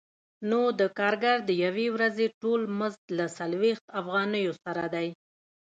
نو د کارګر د یوې ورځې ټول مزد له څلوېښت افغانیو سره دی